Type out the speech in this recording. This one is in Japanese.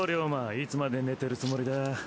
いつまで寝てるつもりだ？